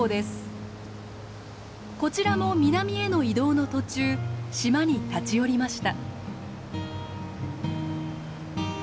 こちらも南への移動の途中島に立ち寄りました。